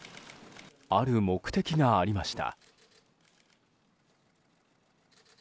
ある目的がありました。